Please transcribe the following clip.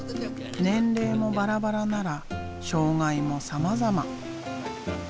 年齢もバラバラなら障害もさまざま。